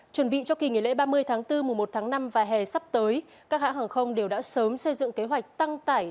chuẩn bị cho kỳ nghỉ lễ ba mươi tháng bốn mùa một tháng năm và hè sắp tới các hãng hàng không đều đã sớm xây dựng kế hoạch tăng tải